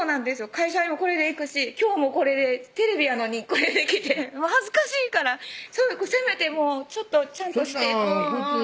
会社にもこれで行くし今日もこれでテレビやのにこれで来てもう恥ずかしいからせめてちゃんとしてってそんなん靴